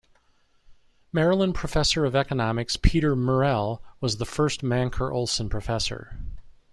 Maryland Professor of Economics Peter Murrell was the first Mancur Olson Professor.